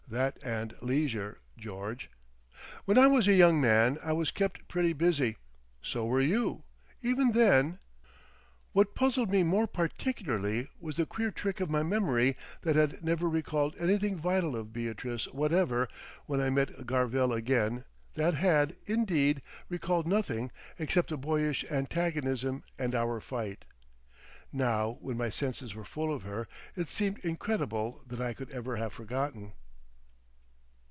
That and leisure, George. When I was a young man I was kept pretty busy. So were you. Even then—!" What puzzled me more particularly was the queer trick of my memory that had never recalled anything vital of Beatrice whatever when I met Garvell again that had, indeed, recalled nothing except a boyish antagonism and our fight. Now when my senses were full of her, it seemed incredible that I could ever have forgotten....